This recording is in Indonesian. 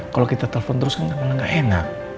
kalau kita telepon terus kan emang enggak enak